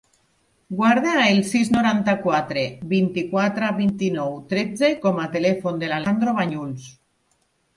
Guarda el sis, noranta-quatre, vint-i-quatre, vint-i-nou, tretze com a telèfon de l'Alejandro Bañuls.